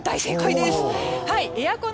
エアコン。